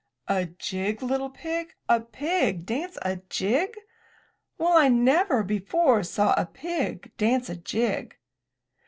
"A jig, little pig! A pig dance a jig! Well, I never before saw a pig dance a jig!"